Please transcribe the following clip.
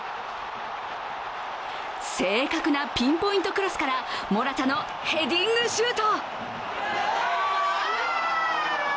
正確なピンポイントクロスからモラタのヘディングシュート。